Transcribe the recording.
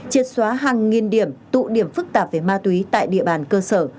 triệt xóa hàng nghìn điểm tụ điểm phức tạp về ma túy tại địa bàn cơ sở